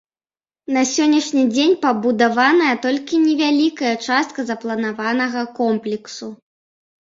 На сённяшні дзень пабудаваная толькі невялікая частка запланаванага комплексу.